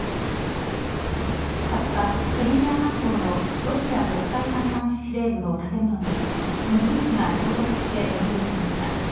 ２０日、クリミア半島のロシア黒海艦隊司令部の建物に無人機が衝突して炎上しました。